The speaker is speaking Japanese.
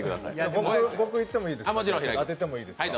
僕、当ててもいいですか。